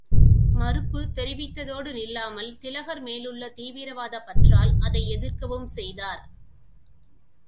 மறுப்புத் தெரிவித்ததோடு நில்லாமல், திலகர் மேலுள்ள தீவிரவாதப் பற்றால் அதை எதிர்க்கவும் செய்தார்.